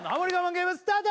ゲームスタート